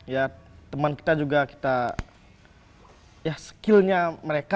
ya teman kita juga kita ya skillnya mereka